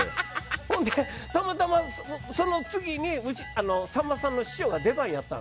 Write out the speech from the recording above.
それで、たまたまその次にさんまさんの師匠が出番やった。